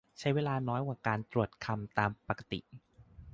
ใช้เวลาน้อยกว่าการตรวจคำตามปกติ